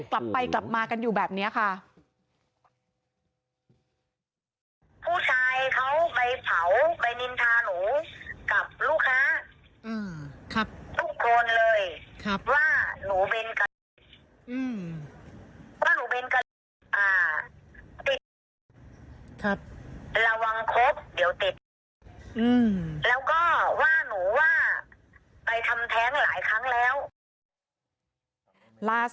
กลับไปกลับมากันอยู่แบบนี้ค่ะ